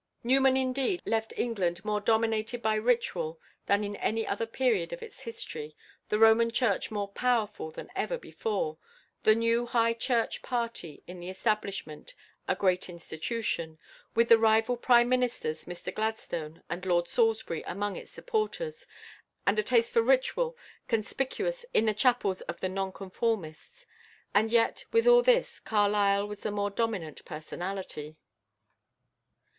Newman, indeed, left England more dominated by ritual than in any other period of its history, the Roman Church more powerful than ever before, the new High Church party in the Establishment a great institution, with the rival Prime Ministers, Mr Gladstone and Lord Salisbury, among its supporters, and a taste for ritual conspicuous in the chapels of the Nonconformists. And yet with all this Carlyle was the more dominant personality.